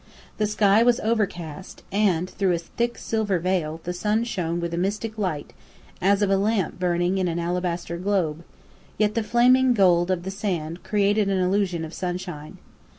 The sky was overcast, and through a thick silver veil, the sun shone with a mystic light as of a lamp burning in an alabaster globe; yet the flaming gold of the sand created an illusion as of sunshine.